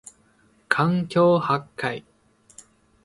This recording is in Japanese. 環境破壊